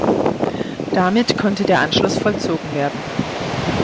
Damit konnte der Anschluss vollzogen werden.